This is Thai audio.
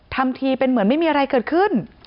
ทำทีเป็นเหมือนไม่มีอะไรเกิดขึ้น